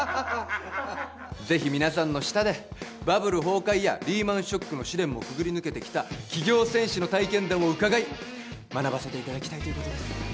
ぜひ皆さんの下でバブル崩壊やリーマンショックの試練もくぐり抜けてきた企業戦士の体験談を伺い学ばせていただきたいということです